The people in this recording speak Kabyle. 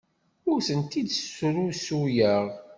Ur tent-id-srusuyeɣ.